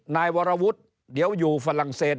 นายวรวุฒิเดี๋ยวอยู่ฝรั่งเศส